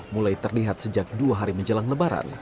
mulai terlihat sejak dua hari menjelang lebaran